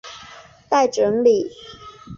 待整理